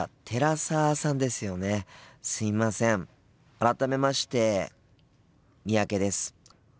改めまして三宅です。